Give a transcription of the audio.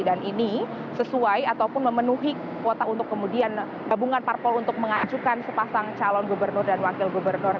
dan ini sesuai ataupun memenuhi kuota untuk kemudian gabungan parpol untuk mengajukan sepasang calon gubernur dan wakil gubernur